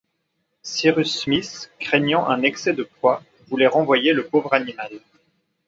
Cyrus Smith craignant un excès de poids, voulait renvoyer le pauvre animal.